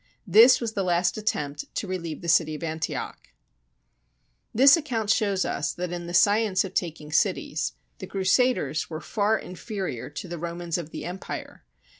This was the last attempt to relieve the city of Antioch. This account shows us that in the science of tak ing cities, the Crusaders were far inferior to the SIEGE OF ANTIOCH Romans of the Empire.